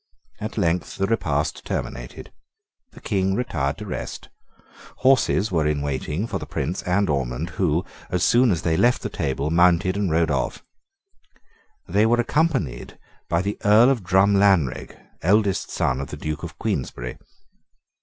At length the repast terminated. The King retired to rest. Horses were in waiting for the Prince and Ormond, who, as soon as they left the table, mounted and rode off. They were accompanied by the Earl of Drumlanrig, eldest son of the Duke of Queensberry.